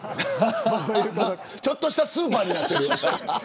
ちょっとしたスーパーになってる。